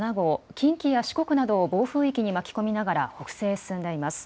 近畿や四国などを暴風域に巻き込みながら北西へ進んでいます。